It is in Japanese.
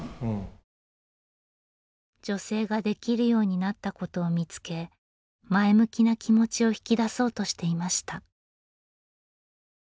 女性ができるようになったことを見つけ前向きな気持ちを引き出そうとしていました。